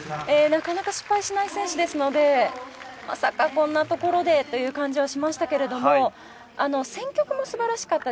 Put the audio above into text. なかなか失敗しない選手ですのでまさかこんなところでという感じはしましたけれども選曲も素晴らしかったですね。